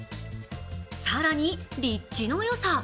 更に、立地のよさ。